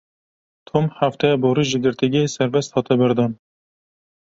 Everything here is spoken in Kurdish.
Tom hefteya borî ji girtîgehê serbest hate berdan.